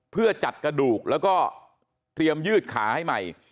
เพื่อจัดกระดูกแล้วก็เตรียมยืดขาให้ใหม่